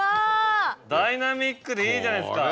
ダイナミックでいいじゃないですか。